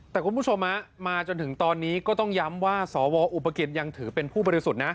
แต่คุณผู้ชมมาจนถึงตอนนี้ก็ต้องย้ำว่าสวอุปกิจยังถือเป็นผู้บริสุทธิ์นะ